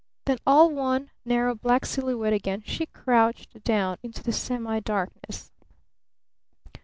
Then, all one narrow black silhouette again, she crouched down into the semi darkness.